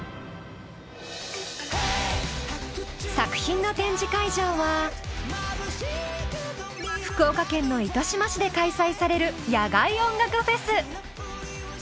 作品の展示会場は福岡県の糸島市で開催される野外音楽フェス。